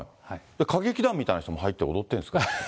歌劇団みたいな人も入って、踊ってるんですか？